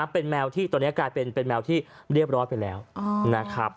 เป็นแมวที่ตอนนี้กลายเป็นแมวที่เรียบร้อยไปแล้วนะครับ